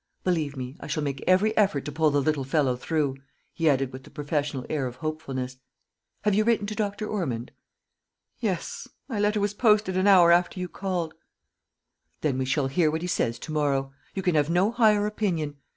"Believe me, I shall make every effort to pull the little fellow through," he added with the professional air of hopefulness. "Have you written to Dr. Ormond?" "Yes, my letter was posted an hour after you called." "Then we shall hear what he says to morrow. You can have no higher opinion.